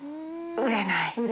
売れない。